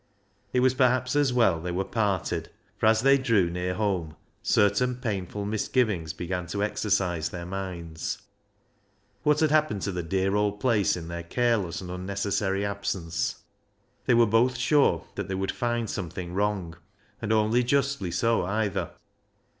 It was, perhaps, as well they were parted, for as they drew near home, certain painful misgivings began to exercise their minds. What had happened to the dear old place in their careless and unnecessary absence? They were both sure they would find something wrong. And only justly so, either.